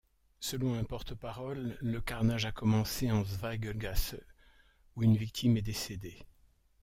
Selon un porte-parole, le carnage a commencé en Zweiglgasse, où une victime est décédée.